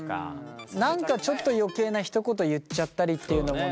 何かちょっと余計なひと言言っちゃったりっていうのもね。